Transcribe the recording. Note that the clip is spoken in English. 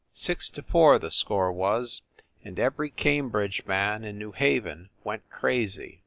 Six to four the score was, and every Cambridge man in New Haven went crazy.